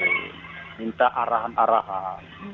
saya menelpon pak martin minta arahan arahan